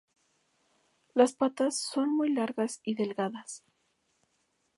Las patas son muy largas y delgadas.